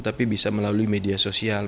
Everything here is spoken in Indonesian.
tapi bisa melalui media sosial